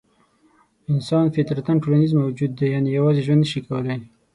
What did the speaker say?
انسان فطرتاً ټولنیز موجود دی؛ یعنې یوازې ژوند نه شي کولای.